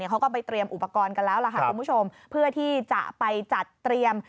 เขาก็ไปเตรียมอุปกรณ์กันแล้วเพื่อที่จะไปจัดเตรียม